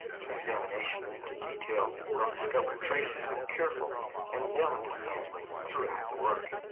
An examination into details will discover traces of careful and delicate handling throughout the work.